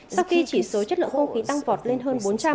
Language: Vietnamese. sau khi chỉ số chất lượng không khí tăng vọt lên hơn bốn trăm linh